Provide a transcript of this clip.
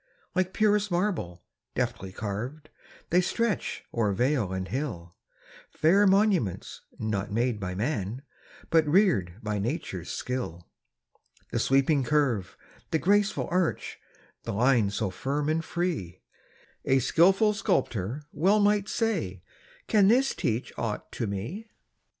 Like purest marble, deftly carv'd, They stretch o'er vale and hill, Fair monuments, not made by man, But rear'd by nature's skill. The sweeping curve, the graceful arch, The line so firm and free; A skilful sculptor well might say: "Can this teach aught to me?"